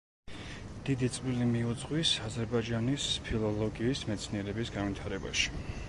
დიდი წვლილი მიუძღვის აზერბაიჯანის ფილოლოგიის მეცნიერების განვითარებაში.